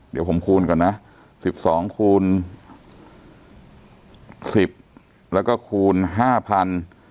เดี๋ยวผมคูณก่อนนะสิบสองคูณสิบแล้วก็คูณห้าพัน